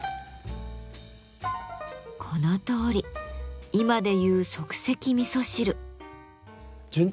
このとおり今で言う即席味噌汁。